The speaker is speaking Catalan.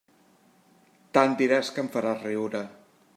Tant diràs que em faràs riure.